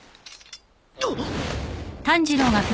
あっ！